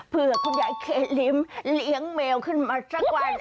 เพื่อคุณยายเคลิ้มเลี้ยงแมวขึ้นมาสักวัน